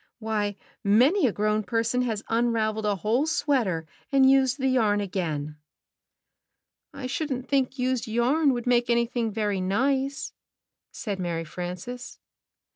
Why, many a grown person has unraveled a whole sweater and used the yarn again." "I shouldn't think used yarn would make any thing very nice," said Mary Frances.